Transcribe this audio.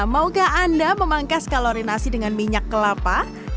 maukah anda memangkas kalori nasi dengan minyak kelapa